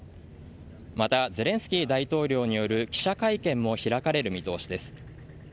また、ゼレンスキー大統領による記者会見も開かれる見通しです。